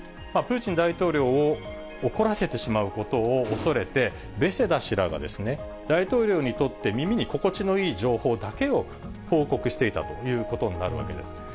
プーチン大統領を怒らせてしまうことを恐れて、ベセダ氏らが大統領にとって耳に心地のいい情報だけを報告していたということになるわけです。